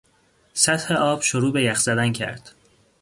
سطح آب شروع به یخ زدن کرد.